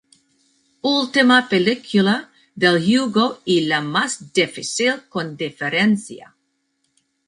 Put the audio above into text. Última película del juego, y la más difícil con diferencia.